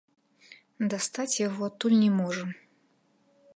Дастаць яго адтуль не можам.